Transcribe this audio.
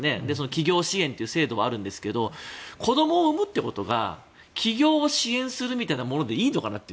起業支援という制度はあるんですけど子供を産むってことが起業を支援するみたいなものでいいのかなと。